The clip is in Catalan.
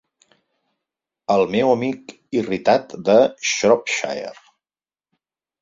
El meu amic irritat de Shropshire!